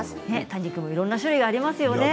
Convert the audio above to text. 多肉にもいろんな種類がありますね。